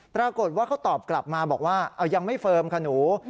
ปรากฏว่าเขาตอบกลับมาบอกว่ายังไม่เฟิร์มค่ะหนู